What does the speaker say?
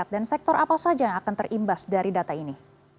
dan sektor apa saja yang akan terimbas dari data ini